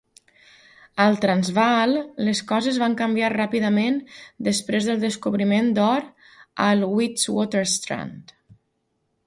Al Transvaal, les coses van canviar ràpidament després del descobriment d'or al Witwatersrand.